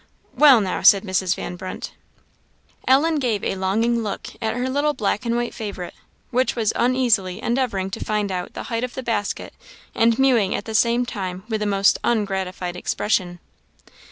"Well, now!" said Mrs. Van Brunt. Ellen gave a longing look at her little black and white favourite, which was uneasily endeavouring to find out the height of the basket, and mewing at the same time with a most ungratified expression.